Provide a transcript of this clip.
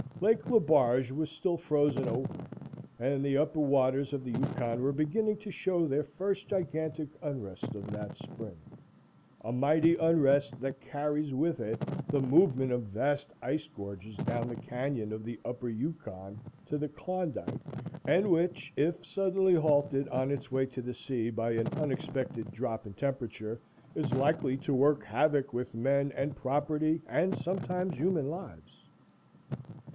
Lake Le Barge was still frozen over, and the upper waters of the Yukon were beginning to show their first gigantic unrest of that spring a mighty unrest that carries with it the movement of vast ice gorges down the canyon of the Upper Yukon to the Klondike, and which, if suddenly halted on its way to the sea by an unexpected drop in temperature, is likely to work havoc with men and property and sometimes human lives.